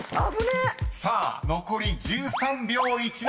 ［さあ残り１３秒１７］